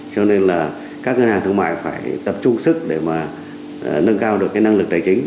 cho nên là các ngân hàng thương mại phải tập trung sức để mà nâng cao được cái năng lực tài chính